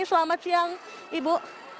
selamat siang ibu